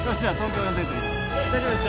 大丈夫ですか？